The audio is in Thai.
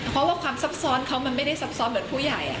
เพราะว่าความซับซ้อนเขามันไม่ได้ซับซ้อนเหมือนผู้ใหญ่